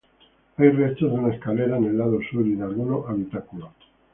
Hay restos de una escalera, en el lado sur, y de algunos habitáculos.